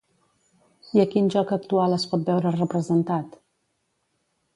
I a quin joc actual es pot veure representat?